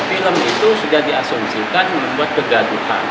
film itu sudah diasumsikan membuat kegaduhan